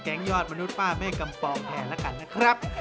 ยอดมนุษย์ป้าแม่กำปองแทนแล้วกันนะครับ